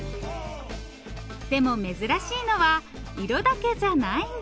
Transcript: でも珍しいのは色だけじゃないんです。